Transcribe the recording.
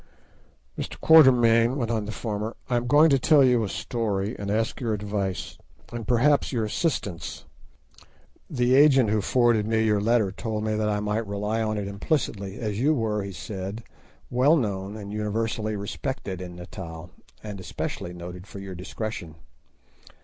"Mr. Quatermain," went on the former, "I am going to tell you a story, and ask your advice, and perhaps your assistance. The agent who forwarded me your letter told me that I might rely on it implicitly, as you were," he said, "well known and universally respected in Natal, and especially noted for your discretion."